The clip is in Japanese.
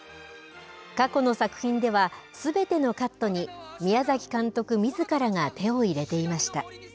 過去の作品ではすべてのカットに宮崎監督みずからが手を入れていました。